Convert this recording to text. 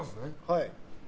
はい。